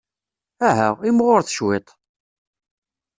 Aha, imɣuret cwiṭ!